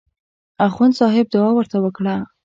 اخندصاحب دعا ورته وکړه.